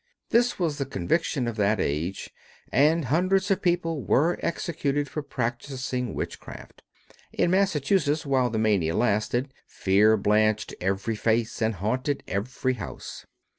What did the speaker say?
This was the conviction of that age, and hundreds of persons were executed for practicing witchcraft. In Massachusetts, while the mania lasted, fear blanched every face and haunted every house.